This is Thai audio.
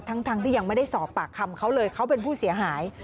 ทั้งที่ยังไม่ได้สอบปากคำเขาเลยเขาเป็นผู้เสียหาย